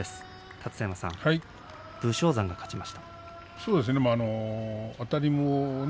立田山さん、武将山勝ちました。